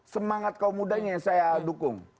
semangat kaum mudanya yang saya dukung